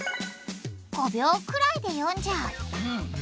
５秒くらいで読んじゃう。